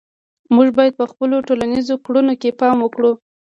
موږ باید په خپلو ټولنیزو کړنو کې پام وکړو.